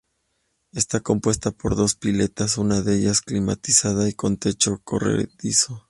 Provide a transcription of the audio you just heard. Está compuesto por dos piletas, una de ellas climatizada y con techo corredizo.